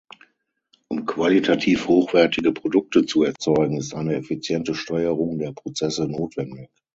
Um qualitativ hochwertige Produkte zu erzeugen, ist eine effiziente Steuerung der Prozesse notwendig.